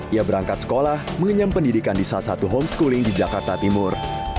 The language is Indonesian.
ia berangkat sekolah mengenyam pendidikan di salah satu homeschooling di jakarta timur